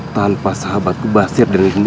tanpa sahabatku basyir dan hindu aji